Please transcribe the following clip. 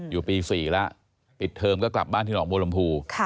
อยู่ปี๔แล้วปิดเทอมก็กลับบ้านที่หนองบัวลำพู